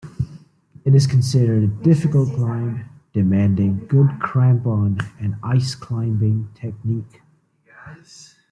It is considered a difficult climb, demanding good crampon and ice-climbing technique.